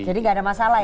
jadi nggak ada masalah ya